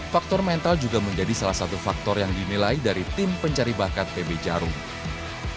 faktor mental juga menjadi salah satu faktor yang dinilai dari tim pencari bakat pb jarum